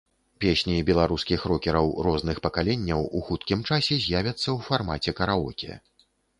Песні беларускіх рокераў розных пакаленняў у хуткім часе з'явяцца ў фармаце караоке.